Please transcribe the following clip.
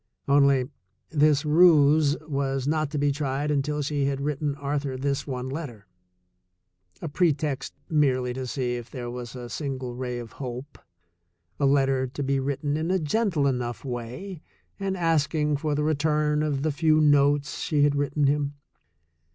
Only, this ruse was not to be tried until she had written Arthur this one letter — a pretext merely to see if there was a single ray of hope, a let ter to be written in a gentle enough way and asking for the return of the few notes she had written him.